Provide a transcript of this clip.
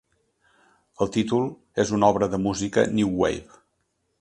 El títol és una obra de música new wave.